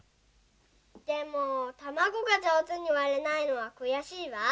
でもたまごがじょうずにわれないのはくやしいわ。